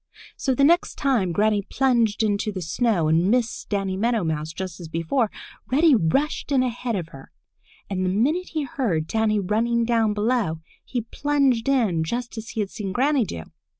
So the next time Granny plunged into the snow and missed Danny Meadow Mouse just as before, Reddy rushed in ahead of her, and the minute he heard Danny running down below, he plunged in just as he had seen Granny do.